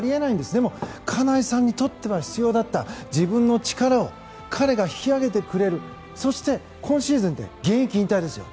でも金井さんにとっては必要だった自分の力を彼が引き上げてくれるそして今シーズンで現役引退ですよ。